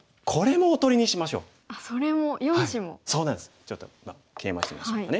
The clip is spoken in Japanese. ちょっとケイマしてみましょうかね。